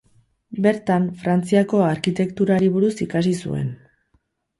Bertan, Frantziako arkitekturari buruz ikasi zuen.